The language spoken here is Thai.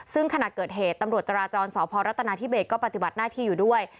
ซึ่งขณะเกิดเหตุตำรวจจราจรสพรัฐนาธิเบสก็ปฏิบัติหน้าที่อยู่ด้วย